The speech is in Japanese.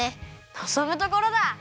のぞむところだ！